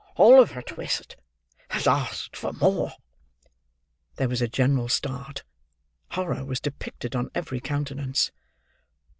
Oliver Twist has asked for more!" There was a general start. Horror was depicted on every countenance.